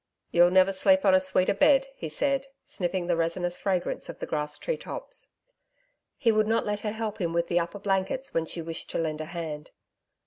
'You'll never sleep on a sweeter bed,' he said, sniffing the resinous fragrance of the grass tree tops. He would not let her help him with the upper blankets when she wished to lend a hand.